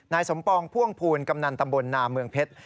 นายสมปองพ่วงภูลกำนันตำบลนาเมืองเพชร